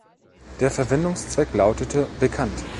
Der Verwendungszweck lautete "bekannt".